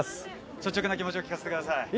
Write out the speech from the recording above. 率直な気持ちを聞かせてください。